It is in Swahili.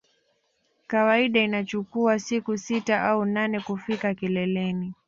Kawaida inachukua siku sita au nane kufika kileleni